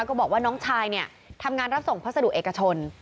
ก็บอกว่าน้องชายเนี่ยทำงานรับส่งพัสดุเอกชน